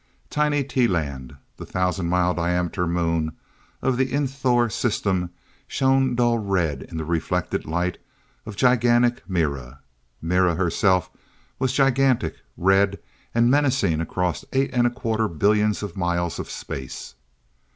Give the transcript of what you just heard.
Tiny Teelan, the thousand mile diameter moon of the Insthor system shone dull red in the reflected light of gigantic Mira. Mira herself was gigantic, red and menacing across eight and a quarter billions of miles of space.